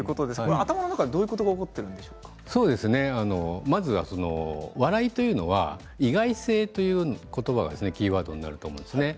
頭の中でどういうことが起きているまずは笑いというのは意外性という言葉がキーワードになると思います。